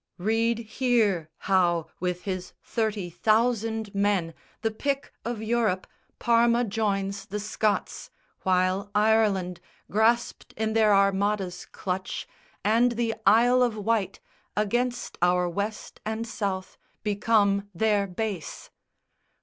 Read here how, with his thirty thousand men, The pick of Europe, Parma joins the Scots, While Ireland, grasped in their Armada's clutch, And the Isle of Wight, against our west and south Become their base."